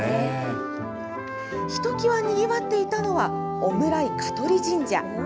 ひときわにぎわっていたのは、小村井香取神社。